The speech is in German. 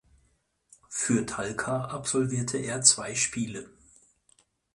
Für Talca absolvierte er zwei Spiele.